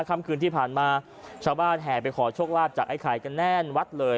ค่ำคืนที่ผ่านมาชาวบ้านแห่ไปขอโชคลาภจากไอ้ไข่กันแน่นวัดเลย